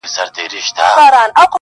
دواړي تلي مي سوځیږي په غرمو ولاړه یمه-